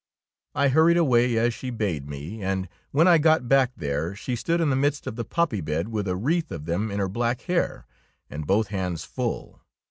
I hurried away, as she bade me, and when I got back there she stood in the midst of the poppy bed, with a wreath of them in her black hair, and both hands full!